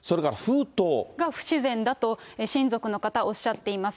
不自然だと親族の方、おっしゃっています。